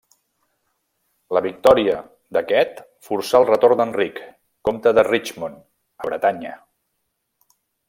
La victòria d'aquest forçà el retorn d'Enric, comte de Richmond, a Bretanya.